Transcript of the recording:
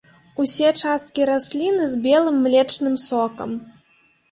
Усе часткі расліны з белым млечным сокам.